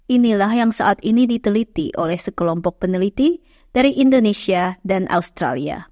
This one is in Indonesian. inilah yang saat ini diteliti oleh sekelompok peneliti dari indonesia dan australia